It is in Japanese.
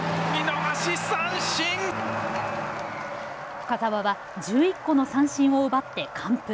深沢は１１個の三振を奪って完封。